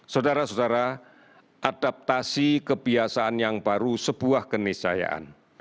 saudara saudara adaptasi kebiasaan yang baru sebuah kenisayaan